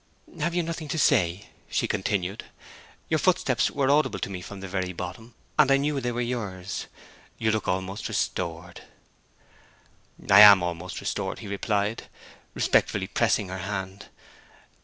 'Have you nothing to say?' she continued. 'Your footsteps were audible to me from the very bottom, and I knew they were yours. You look almost restored.' 'I am almost restored,' he replied, respectfully pressing her hand.